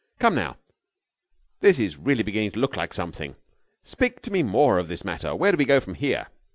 Come, now, this is really beginning to look like something. Speak to me more of this matter. Where do we go from here?"